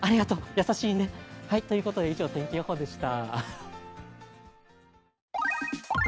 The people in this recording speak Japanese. やさしいね、ということで以上、天気予報でした。